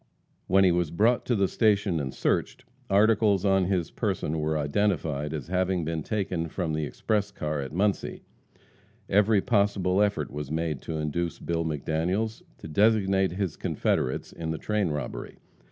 When he was brought to the station and searched, articles on his person were identified as having been taken from the express car at Muncie. Every possible effort was made to induce Bill McDaniels to designate his confederates in the train robbery.